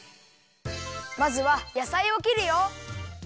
まずはやさいをきるよ。